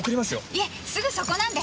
いえすぐそこなんで。